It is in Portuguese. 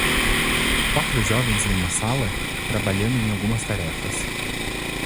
Quatro jovens em uma sala? trabalhando em algumas tarefas.